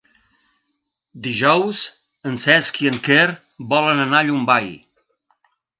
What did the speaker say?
Dijous en Cesc i en Quer volen anar a Llombai.